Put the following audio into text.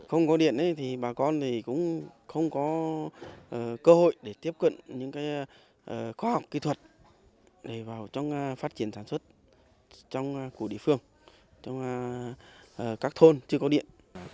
không có điện thì bà con thì cũng không có cơ hội để tiếp cận những cái khoa học kỹ thuật để vào trong phát triển sản xuất trong cụ địa phương trong các thôn chưa có điện